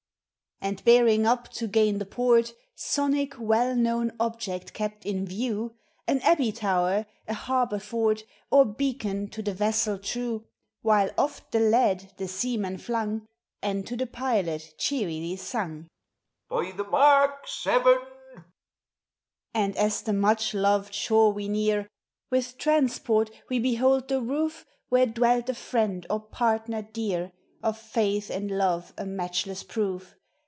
403 And bearing up to gain the port, Sonic well known object kept in view, — An abbey tower, a harbor fort, Or beacon to the vessel true; While ott the lead the seaman flung, And to the pilot cheerly snug, "By the mark — seven!" Ami as the much loved shore we near, With transport we behold the roof Where dwelt a friend or partner dear, (M' faith and love a matchless proof.